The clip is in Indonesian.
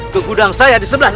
ke gudang saya disebelah sana